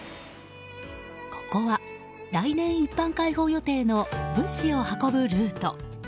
ここは、来年一般開放予定の物資を運ぶルート。